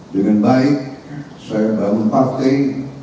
dengan baik saya bangun partai